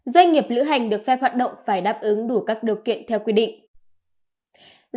doanh nghiệp lữ hành được phép hoạt động phải đáp ứng đủ các điều kiện theo quy định